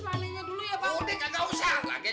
lagi lagi selnya udah jalan udah jauh kan